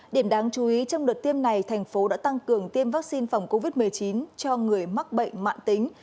điểm đáng chú ý trong đợt tiêm này thành phố đã tăng cường tiêm vaccine phòng covid một mươi chín cho người mắc bệnh mạng tính